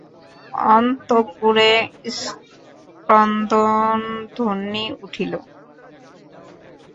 অন্তঃপুরে ক্রন্দনধ্বনি উঠিল।